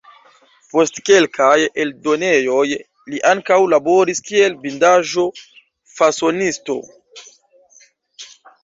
Por kelkaj eldonejoj li ankaŭ laboris kiel bindaĵo-fasonisto.